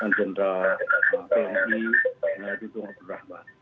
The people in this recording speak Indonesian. ritna jenderal tni dudung abdurrahman